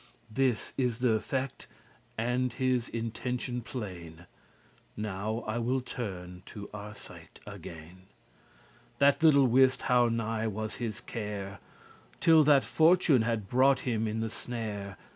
This is th' effect, and his intention plain. Now will I turn to Arcita again, That little wist how nighe was his care, Till that Fortune had brought him in the snare.